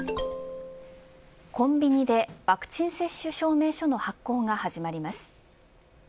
コンビニでワクチン接種証明書の発行が始まります。